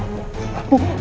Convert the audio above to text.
aku sudah melihatnya